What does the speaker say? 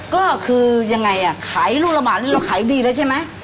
ก็คือยังไงอ่ะขายลูกละบาทนี่เราขายดีแล้วใช่ไหม